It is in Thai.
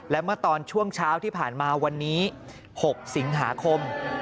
และเมื่อตอนช่วงเช้าที่ผ่านมาวันนี้๖สิงหาคม